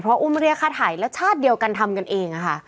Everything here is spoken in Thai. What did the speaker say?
อุ้มเรียกค่าถ่ายแล้วชาติเดียวกันทำกันเองอะค่ะ